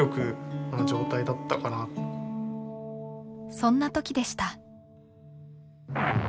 そんな時でした。